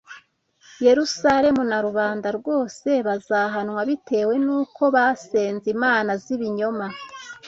Yerusalemu na rubanda rwose bazahanwa bitewe n’uko basenze imana z’ibinyoma